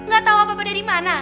gak tahu apa apa dari mana